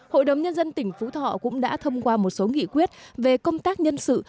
hội đồng nhân dân tỉnh phú thọ cũng đã thông qua một số nghị quyết về công tác nhân sự